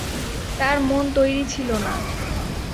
তার মন তৈরি ছিল না।